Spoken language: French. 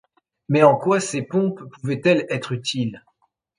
Mais en quoi ces pompes pouvaient-elles être utiles?